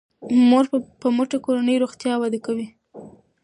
د مور په مټه کورنی روغتیا وده کوي.